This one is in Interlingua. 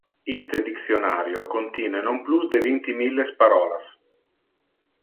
Iste dictionario contine non plus de vinti milles parolas.